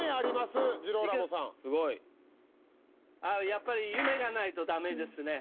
やっぱり夢がないとダメですね。